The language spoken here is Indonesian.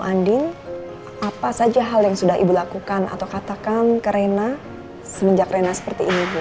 andin apa saja hal yang sudah ibu lakukan atau katakan ke rena semenjak rena seperti ini bu